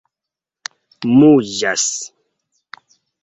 muĝas